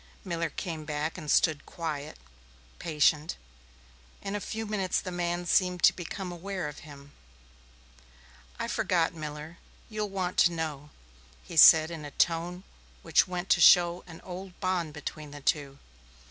Miller came back and stood quiet, patient; in a few minutes the man seemed to become aware of him. "I forgot, Miller. You'll want to know," he said in a tone which went to show an old bond between the two.